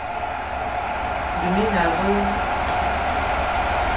Ndoum i na aveu?